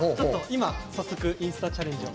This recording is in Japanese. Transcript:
早速インスタチャレンジを。